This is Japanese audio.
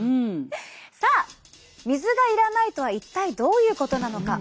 さあ水がいらないとは一体どういうことなのか？